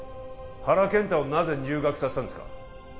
原健太をなぜ入学させたんですか？